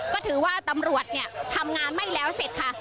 ก็ถือว่าตำรวจทำงานไม่แล้วเสร็จค่ะ